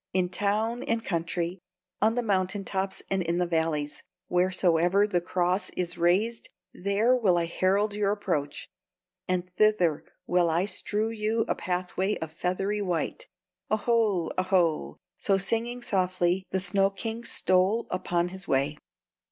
In town and country, on the mountain tops and in the valleys, wheresoever the cross is raised, there will I herald your approach, and thither will I strew you a pathway of feathery white. Oho! oho!" So, singing softly, the snow king stole upon his way.